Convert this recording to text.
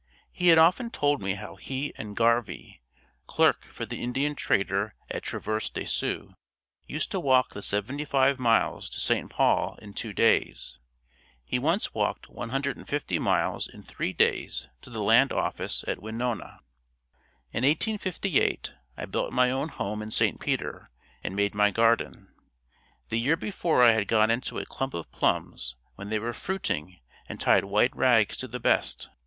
He had often told me how he and Garvie, clerk for the Indian Trader at Traverse de Sioux used to walk the seventy five miles to St. Paul in two days. He once walked 150 miles in three days to the land office at Winona. In 1858 I built my own home in St. Peter and made my garden. The year before I had gone into a clump of plums when they were fruiting and tied white rags to the best.